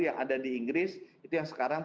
yang ada di inggris itu yang sekarang